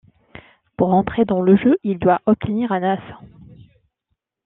Pour entrer dans le jeu, il doit obtenir un as.